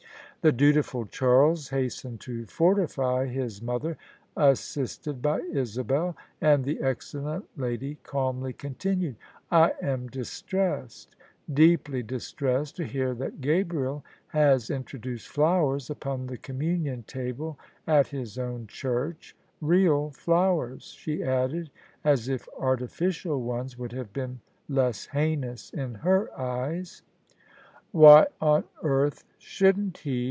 The dutiful Charles hastened to fortify his mother, assisted by Isabel ; and the excellent lady calmly continued :" I am distressed — deeply distressed — to hear that Gabriel has intro duced flowers upon the Commimion Table at his own church: real flowers," she added, as if artificial ones would have been less heinous in her eyes. "Why on earth shouldn't he?"